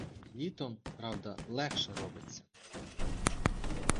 Літом, правда, легше робиться.